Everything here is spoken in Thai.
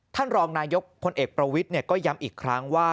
ท่านรองนายกพลเอกประวิทย์ก็ย้ำอีกครั้งว่า